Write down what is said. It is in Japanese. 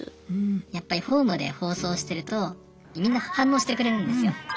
やっぱりホームで放送してるとみんな反応してくれるんですよ。